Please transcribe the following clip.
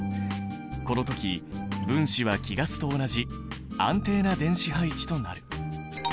この時分子は貴ガスと同じ安定な電子配置となる。